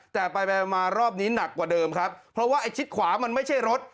แต่ไปไปมารอบนี้หนักกว่าเดิมครับเพราะว่าไอ้ชิดขวามันไม่ใช่รถ